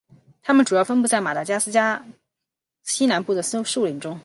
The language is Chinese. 它们主要分布在马达加斯加岛西南部的树林中。